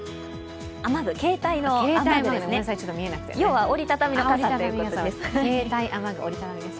携帯の雨具、要は折りたたみの傘ということです。